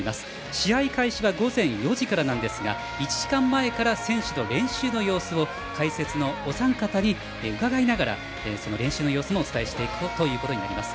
試合開始は午前４時からですが１時間前から選手の練習の様子を解説のお三方に伺いながら練習の様子をお伝えしていこうと思います。